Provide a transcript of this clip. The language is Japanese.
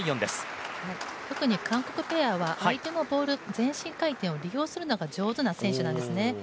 特に韓国ペアは相手のボール、前進回転を利用するのが上手な選手なんですね。